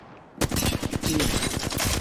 Dii.